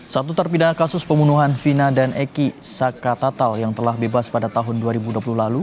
satu terpidana kasus pembunuhan vina dan eki saka tatal yang telah bebas pada tahun dua ribu dua puluh lalu